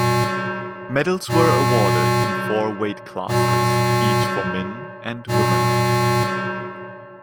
Medals were awarded in four weight classes each for men and women.